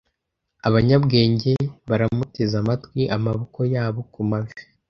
abanyabwenge baramuteze amatwi amaboko yabo ku mavi